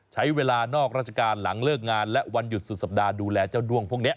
ใช้เวลานอกราชการหลังเลิกงานและวันหยุดสุดสัปดาห์ดูแลเจ้าด้วงพวกนี้